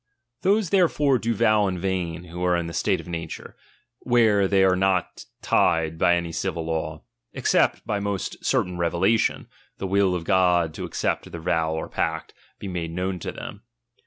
Those therefore do vow in vain, who are in the state of nature, where they are not tied by any civil law, except, by most certain revelation, the will of God to accept their vow or pact, be made known to them.